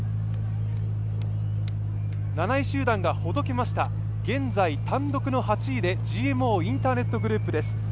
７位集団がほどけました、現在単独の８位でＧＭＯインターネットグループです。